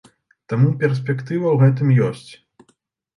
Таму перспектыва ў гэтым ёсць.